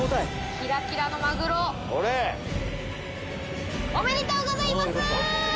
キラキラのマグロ！おめでとうございます！